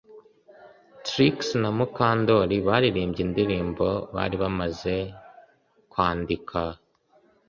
Trix na Mukandoli baririmbye indirimbo bari bamaze kwandika